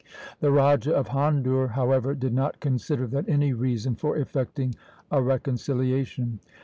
The Raja of Handur, however, did not consider that any reason for effecting a reconcilia tion.